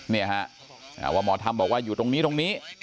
เนี่ยครับว่าหมอทำบอกว่าอยู่ตรงนี้ตรงนี้